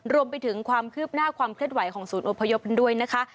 รวมไปถึงความคืบหน้าความเคลื่อนไหวของศูนย์อพยพกันด้วยนะคะ